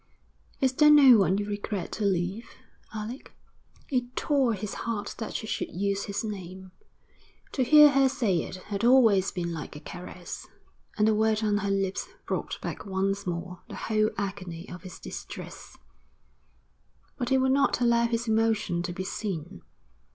'Is there no one you regret to leave, Alec?' It tore his heart that she should use his name. To hear her say it had always been like a caress, and the word on her lips brought back once more the whole agony of his distress; but he would not allow his emotion to be seen.